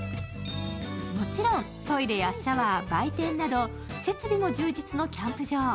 もちろん、トイレやシャワー、売店など設備も充実のキャンプ場。